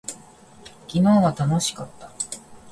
昨日は楽しかった。